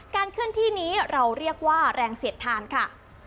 เคลื่อนที่นี้เราเรียกว่าแรงเสียดทานค่ะ